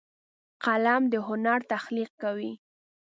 قلم د هنر تخلیق کوي